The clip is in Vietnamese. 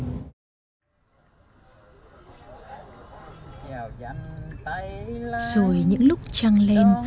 rồi những lúc trăng lên